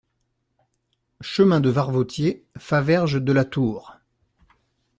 Chemin de Varvotier, Faverges-de-la-Tour